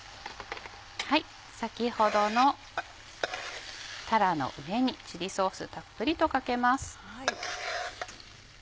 先ほどのたらの上にチリソースたっぷりとかけます。